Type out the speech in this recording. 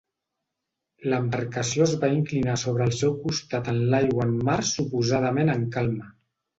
L'embarcació es va inclinar sobre el seu costat en l'aigua en mars suposadament en calma.